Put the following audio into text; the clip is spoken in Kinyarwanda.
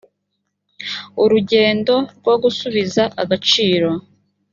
urugendo rwo gusubiza agaciro